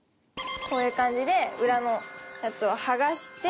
こういう感じで裏のやつを剥がして。